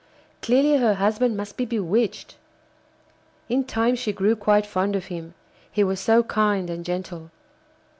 Clearly her husband must be bewitched. In time she grew quite fond of him, he was so kind and gentle.